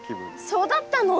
そうだったの？